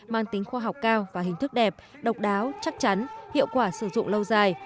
mang tính khoa học cao và hình thức đẹp độc đáo chắc chắn hiệu quả sử dụng lâu dài